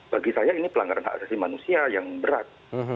bagi saya ini pelanggaran hak asasi manusia yang berat